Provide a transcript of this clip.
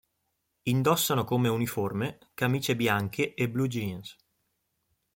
Indossano come uniforme camicie bianche e blu jeans.